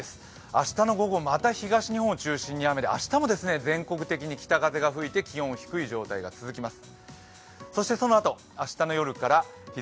明日の午後また東日本を中心に雨で明日も全国的に北風が吹いて気温は低い状態が続きます。